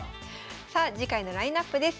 さあ次回のラインナップです。